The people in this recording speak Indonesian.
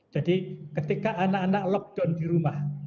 jadi ketika anak anak lockdown di rumah